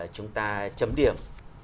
chúng ta chấm điểm